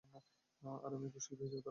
আর আমি একক শিল্পী হিসেবেই তারকা।